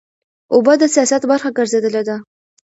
اوبه د سیاست برخه ګرځېدلې ده.